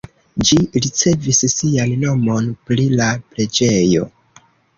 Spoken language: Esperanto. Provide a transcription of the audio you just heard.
Ĝi ricevis sian nomon pri la preĝejo.